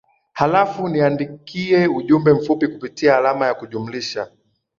halafu niandikie ujumbe mfupi kupitia alama ya kujumlisha